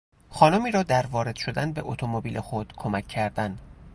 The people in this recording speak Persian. خانمی را در وارد شدن به اتومبیل خود کمک کردن